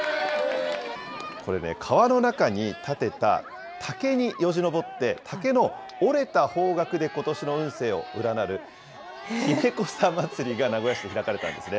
これね、川の中に立てた竹によじ登って、竹の折れた方角でことしの運勢を占う、きねこさ祭が名古屋市で開かれたんですね。